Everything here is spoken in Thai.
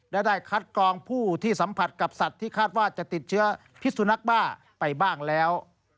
และได้คัดกรองผู้ที่สัมผัสกับสัตว์ที่คาดว่าจะติดเชื้อพิสุนักบ้าไปบ้างแล้ว